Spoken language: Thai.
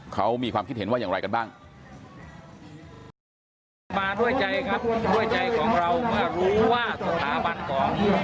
เขามีความคิดเห็นว่าอย่างไรกันบ้าง